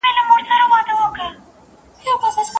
که شاګرد مخالفت کوي استاد باید ورسره موافقه وکړي.